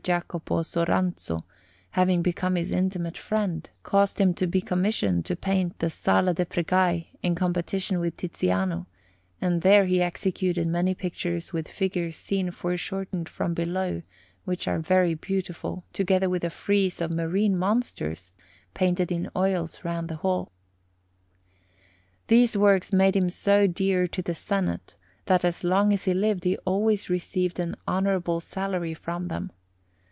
Jacopo Soranzo, having become his intimate friend, caused him to be commissioned to paint the Sala de' Pregai in competition with Tiziano; and there he executed many pictures with figures seen foreshortened from below, which are very beautiful, together with a frieze of marine monsters painted in oils round that hall. These works made him so dear to the Senate, that as long as he lived he always received an honourable salary from them.